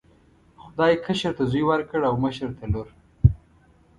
خدای کشر ته زوی ورکړ او مشر ته لور.